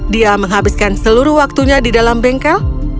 dia menghabiskan seluruh waktunya di dalam bengkel